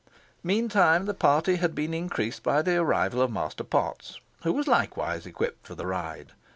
Meantime, the party had been increased by the arrival of Master Potts, who was likewise equipped for the ride.